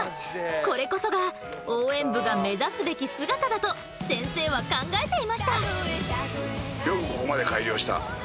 これこそが応援部が目指すべき姿だと先生は考えていました。